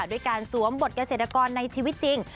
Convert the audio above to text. ด้วยการสวมบทเกษตรกรในชีวิตจริง